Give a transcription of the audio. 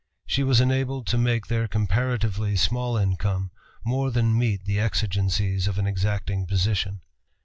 She was enabled to make their comparatively small income more than meet the exigencies of an exacting position.